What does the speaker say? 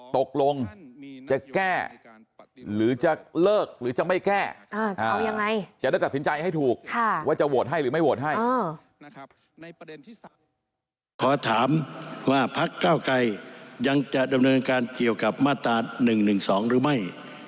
ตกลงจะแก้หรือจะเลิกหรือจะไม่แก้จะได้ตัดสินใจให้ถูกว่าจะโหวตให้หรือไม่โหวตให้